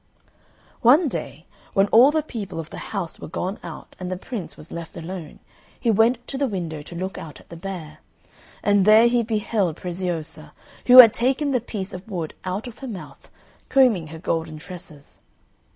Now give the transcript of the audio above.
One day, when all the people of the house were gone out, and the Prince was left alone, he went to the window to look out at the bear; and there he beheld Preziosa, who had taken the piece of wood out of her mouth, combing her golden tresses.